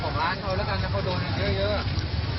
โชคบาตรเค้าแล้วกันนะเค้าดูอีกเยอะ